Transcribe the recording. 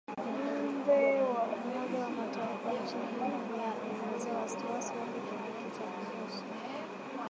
Ujumbe wa Umoja wa Mataifa nchini Libya ulielezea wasiwasi wake kwenye twitter kuhusu